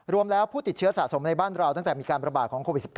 รวมแล้วผู้ติดเชื้อสะสมในบ้านเราตั้งแต่มีการประบาดของโควิด๑๙